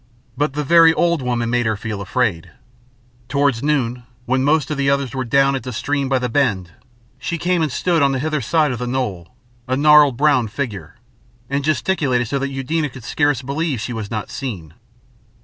But the very old woman made her feel afraid. Towards noon, when most of the others were down at the stream by the bend, she came and stood on the hither side of the knoll, a gnarled brown figure, and gesticulated so that Eudena could scarce believe she was not seen.